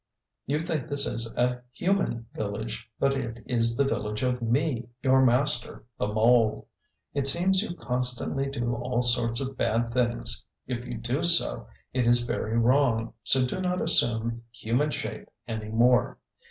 You think this is a human village; but it is the village of me, your master the mole. It seems you constantly do all sorts of bad things. If you do so, it is very wrong; so do not assume human shape any more.